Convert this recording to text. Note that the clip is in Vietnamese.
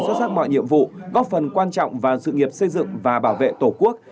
xuất sắc mọi nhiệm vụ góp phần quan trọng vào sự nghiệp xây dựng và bảo vệ tổ quốc